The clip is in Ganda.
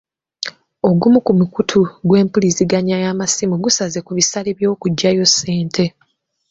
Ogumu ku mukutu gw'empuliziganya y'amasimu gusaze ku bisale by'okuggyayo ssente.